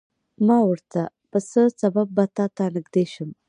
ما ورته په څه سبب به تاته نږدې شم.